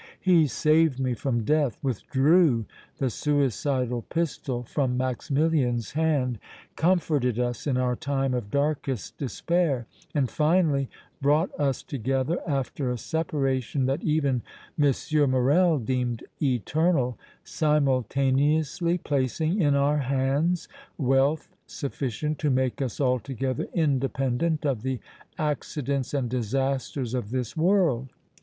He saved me from death, withdrew the suicidal pistol from Maximilian's hand, comforted us in our time of darkest despair, and finally brought us together after a separation that even M. Morrel deemed eternal, simultaneously placing in our hands wealth sufficient to make us altogether independent of the accidents and disasters of this world.